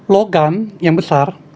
logam yang besar